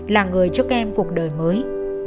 là người cho các em cuộc đời mới